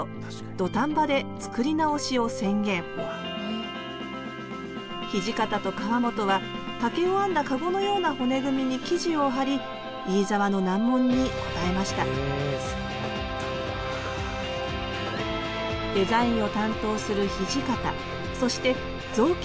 土方と川本は竹を編んだ籠のような骨組みに生地を張り飯沢の難問に応えましたデザインを担当する土方そして造形を監督する川本。